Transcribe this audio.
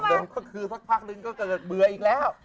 ก็หลอบเดิมก็คือสักพักนึงก็เกิดเบื่ออีกแล้ว